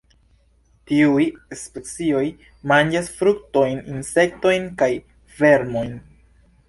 Tiuj specioj manĝas fruktojn, insektojn kaj vermojn.